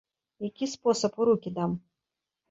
Які спосаб у рукі дам?